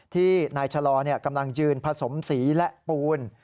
ที่นายชะลอกำลังยืนผสมสีและปูน